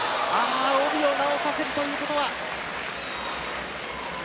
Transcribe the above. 帯を直させるということは。